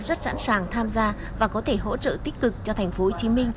rất sẵn sàng tham gia và có thể hỗ trợ tích cực cho tp hcm